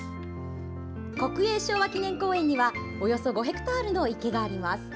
国営昭和記念公園にはおよそ５ヘクタールの池があります。